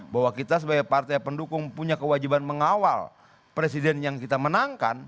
bahwa kita sebagai partai pendukung punya kewajiban mengawal presiden yang kita menangkan